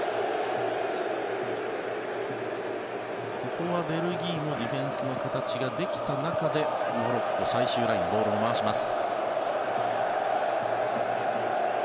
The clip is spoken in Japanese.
ここはベルギーもディフェンスの形ができた中でモロッコ、最終ラインボールを回します。